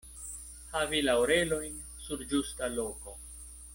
Havi la orelojn sur ĝusta loko.